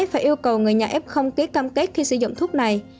và yêu cầu người nhà f ký cam kết khi sử dụng thuốc này